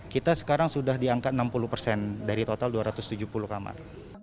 kita sekarang sudah di angka enam puluh persen dari total dua ratus tujuh puluh kamar